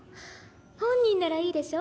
本人ならいいでしょ？